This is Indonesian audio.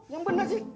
yang bener sih